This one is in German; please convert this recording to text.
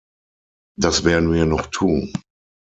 Das werden wir noch tun.